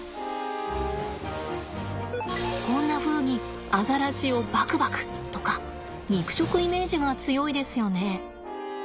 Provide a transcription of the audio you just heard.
こんなふうにアザラシをばくばくとか肉食イメージが強いですよね。